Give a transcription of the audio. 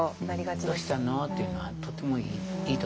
「どうしたの？」って言うのはとてもいいと思いますね。